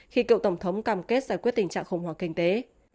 khi cựu tổng thống cam kết giải quyết tình trạng khủng hoảng kinh tế